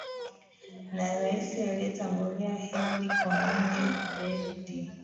na rais aliyetangulia henry konan berdi